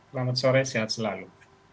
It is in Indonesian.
selamat sore sehat selalu